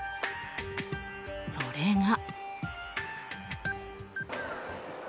それが。